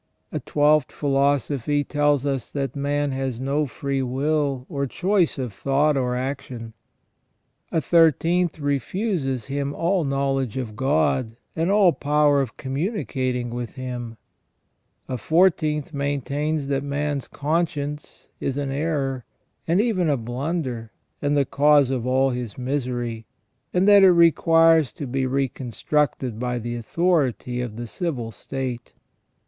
A twelfth philosophy tells us that man has no free will, or choice of thought or action. A thirteenth refuses him all knowledge of God, and all power of communicating 6 ON THE NATURE OF MAN. with Him. A fourteenth maintains that man's conscience is an error, and even a blunder, and the cause of all his misery, and that it requires to be reconstructed by the authority of the civil state.